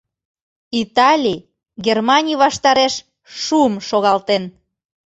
Италий Германий ваштареш шуым шогалтен.